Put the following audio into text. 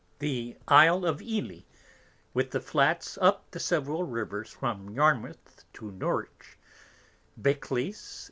The Isle of Ely, with the Flats up the several Rivers from Yarmouth to Norwich, Beccles, &c.